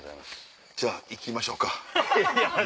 じゃあ行きましょうか。